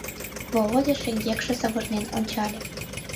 Володя шеҥгекше савырнен ончале.